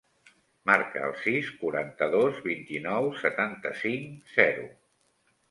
Marca el sis, quaranta-dos, vint-i-nou, setanta-cinc, zero.